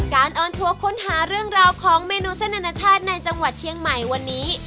ออนทัวร์ค้นหาเรื่องราวของเมนูเส้นอนาชาติในจังหวัดเชียงใหม่วันนี้